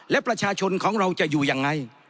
และประชาชนของเราจะอยู่ยังไง